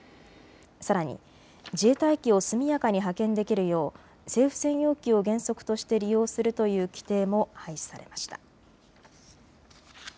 さらに自衛隊機を速やかに派遣できるよう政府専用機を原則として利用するという規定も廃止されました。